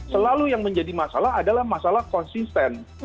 selalu yang menjadi masalah adalah masalah konsisten